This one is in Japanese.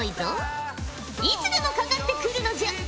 いつでもかかってくるのじゃ！